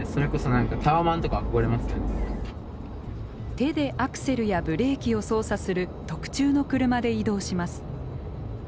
手でアクセルやブレーキを操作する特注の車で移動します。